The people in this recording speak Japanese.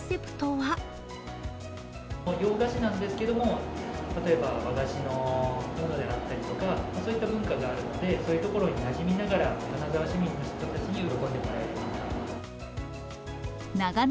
洋菓子なんですけれども、例えば、和菓子のものであったりとか、そういった文化があって、そういうところになじみながら、金沢市民の人たちに喜んでいただけたらなと。